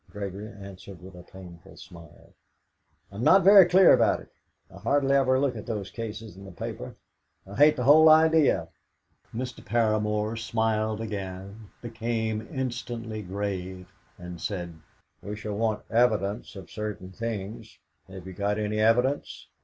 Gregory answered with a painful smile: "I'm not very clear about it; I hardly ever look at those cases in the paper. I hate the whole idea." Mr. Paramor smiled again, became instantly grave, and said: "We shall want evidence of certain things. Have you got any evidence?"